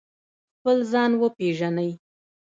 خپل ځان وپیژنئ